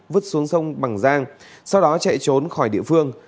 vứt xuống sông bằng giang sau đó chạy trốn khỏi địa phương